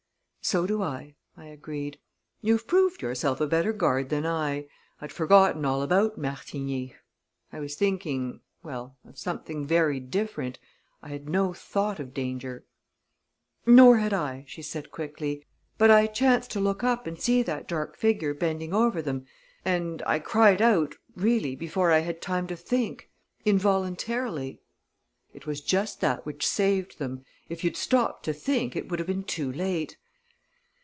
"So do I," I agreed. "You've proved yourself a better guard than I. I'd forgotten all about Martigny I was thinking, well, of something very different I had no thought of danger." "Nor had I," she said quickly. "But I chanced to look up and see that dark figure bending over them, and I cried out, really, before I had time to think involuntarily." "It was just that which saved them. If you'd stopped to think, it would have been too late."